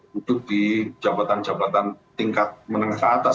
duduk di jabatan jabatan tingkat menengah ke atas